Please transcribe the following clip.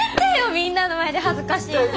みんなの前で恥ずかしいな！